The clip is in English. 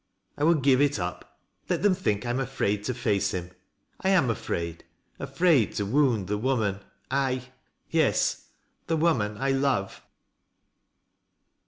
I will give it up. Let them think I ara afraid to face him. I am afraid — afraid to wound the woman I — 'yea — the v oman I love."